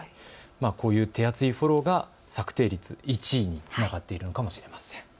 こういう手厚いフォローが策定率１位につながっているのかもしれません。